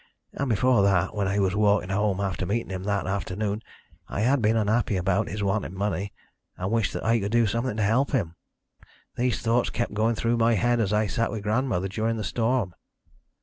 And before that, when I was walking home after meeting him that afternoon, I had been unhappy about his wanting money, and wished that I could do something to help him. These thoughts kept going through my head as I sat with grandmother during the storm.